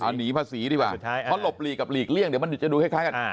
เอาหนีภาษีดีกว่าเพราะหลบหลีกกับหลีกเลี่ยงเดี๋ยวมันจะดูคล้ายกัน